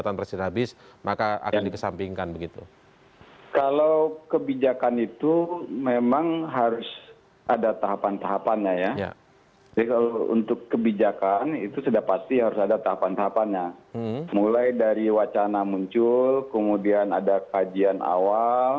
terima kasih agung dan akhirnya tante prathri martira